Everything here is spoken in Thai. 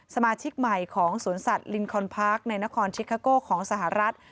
สมาชิกใหม่ของสวนสัตว์ลินคอนพาร์คในนครชิคาโก้ของสหรัฐ